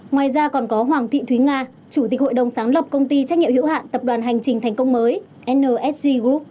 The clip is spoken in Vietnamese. ngoài ra còn có hoàng thị thúy nga chủ tịch hội đồng sáng lập công ty trách nhiệm hữu hạn tập đoàn hành trình thành công mới nsg group